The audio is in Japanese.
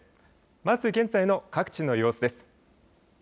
まず現在の各地の様子です。